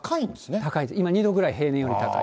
高い、今２度ぐらい平年より高い。